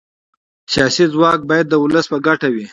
سیاسي ځواک باید د ولس په ګټه وي